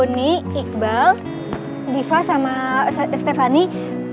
boni iqbal diva sama stephanie